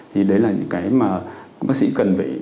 thì đấy là những cái mà bác sĩ cần phải